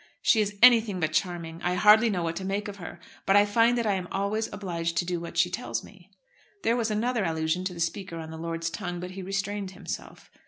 "She is anything but charming. I hardly know what to make of her, but I find that I am always obliged to do what she tells me." There was another allusion to the Speaker on the lord's tongue, but he restrained himself.